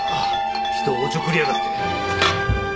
人をおちょくりやがって！